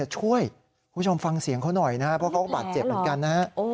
ช่วยผู้ชมฟังเสียงเขาหน่อยเพราะเขาก็บาดเจ็บเหมือนกัน